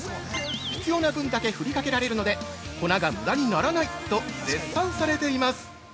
「必要な分だけ振りかけられるので粉が無駄にならない！」と絶賛されています！